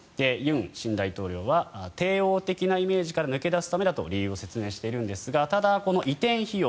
尹新大統領は帝王的なイメージから抜け出すためと理由を説明しているんですがただ、この移転費用